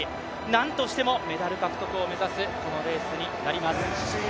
なんとしてもメダル獲得を目指す、このレースになります。